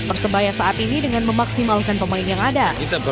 persebaya saat ini dengan memaksimalkan pemain yang ada